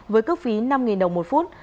với cước phí năm đồng một phút